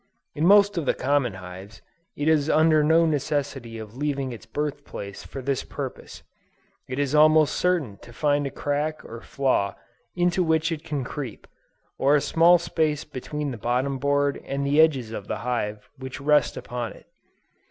In most of the common hives, it is under no necessity of leaving its birth place for this purpose. It is almost certain to find a crack or flaw into which it can creep, or a small space between the bottom board and the edges of the hive which rest upon it.